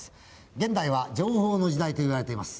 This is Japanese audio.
現代は情報の時代と言われています。